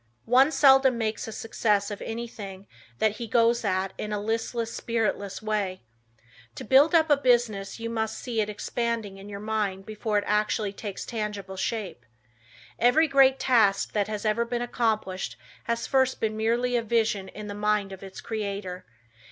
One seldom makes a success of anything that he goes at in a listless, spiritless way. To build up a business you must see it expanding in your mind before it actually takes tangible shape. Every great task that has ever been accomplished has first been merely a vision in the mind of its creator.